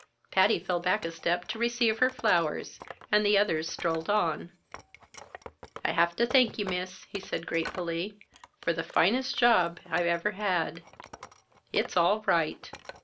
Patty fell back a step to receive her flowers and the others strolled on. "I have to thank ye, Miss," he said gratefully, "for the finest job I ever had. It's all right!"